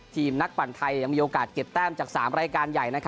ทีมนักปั่นไทยยังมีโอกาสเก็บแต้มจาก๓รายการใหญ่